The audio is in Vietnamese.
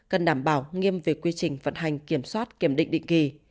cần đảm bảo nghiêm về quy trình vận hành kiểm soát kiểm định định kỳ